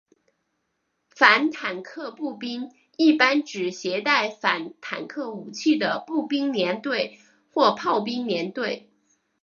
反坦克步兵一般指携带反坦克武器的步兵连队或炮兵连队。